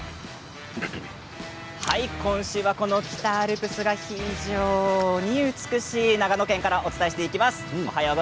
今週は北アルプスが美しい長野県からお伝えしていきます。。